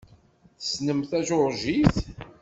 Tessnem tajuṛjit?